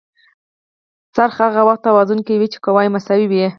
څرخ هغه وخت توازن کې وي چې قوې مساوي وي.